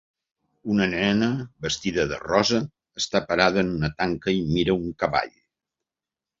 Una nena vestida de rosa està parada en una tanca i mira un cavall.